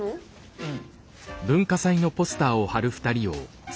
うん。